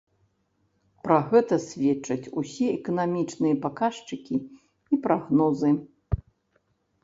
Пра гэта сведчаць усе эканамічныя паказчыкі і прагнозы.